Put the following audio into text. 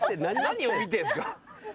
何を見てんすか？